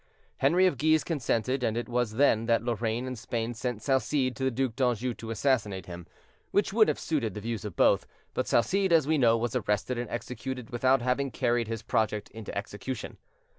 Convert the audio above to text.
Henri of Guise consented, and it was then that Lorraine and Spain sent Salcede to the Duc d'Anjou to assassinate him, which would have suited the views of both; but Salcede, as we know, was arrested and executed without having carried his project into execution.